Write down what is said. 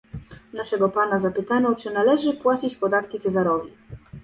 Naszego Pana zapytano, czy należy płacić podatki Cezarowi